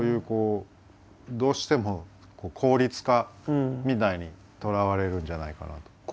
こうどうしても効率化みたいにとらわれるんじゃないかなと。